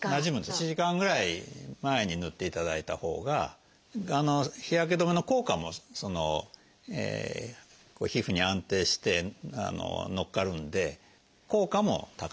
１時間ぐらい前に塗っていただいたほうが日焼け止めの効果もその皮膚に安定して乗っかるんで効果も高くなりますし。